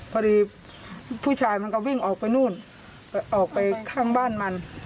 พอดีผู้ชายมันก็วิ่งออกไปนู่นออกไปข้างบ้านมัน